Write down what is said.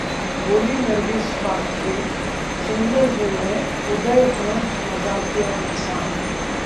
बोलीं नर्गिस फाखरी, 'सिंगल हूं मैं, उदय हैं मजाकिया इंसान'